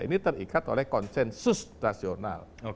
ini terikat oleh konsensus nasional